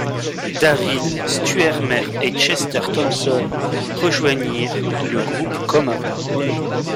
Daryl Stuermer et Chester Thompson rejoignirent le groupe comme avant.